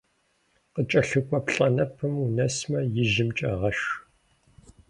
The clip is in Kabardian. Къыкӏэлъыкӏуэ плӏэнэпэм унэсмэ, ижьымкӏэ гъэш.